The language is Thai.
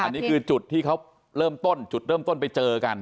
อันนี้คือจุดที่เขาเริ่มต้นจุดเริ่มต้นไปเจอกัน